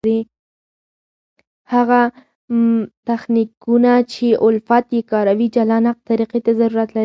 هغه تخنیکونه، چي الفت ئې کاروي جلا نقد طریقي ته ضرورت لري.